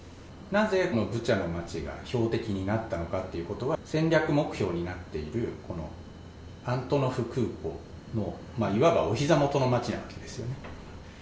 なぜこのブチャの町が標的になったのかということは、戦略目標になっている、このアントノフ空港のいわばおひざ元の町なわけですよね。